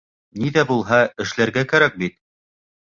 Ни ҙә булһа эшләргә кәрәк бит!